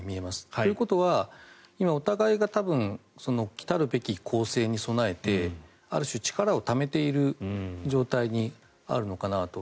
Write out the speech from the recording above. ということは今、お互いが多分、来たるべき攻勢に備えてある種、力をためている状態にあるのかなと。